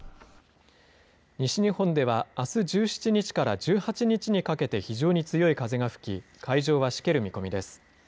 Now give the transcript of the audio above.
西日本ではあす１７日から１８日にかけて非常に強い風が吹き、海上はしける見込みです。